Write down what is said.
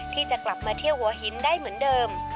ที่จะกลับมาเที่ยวหัวหินได้เหมือนเดิม